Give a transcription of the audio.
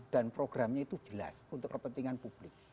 dan programnya itu jelas untuk kepentingan publik